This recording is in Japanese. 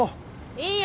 いいよ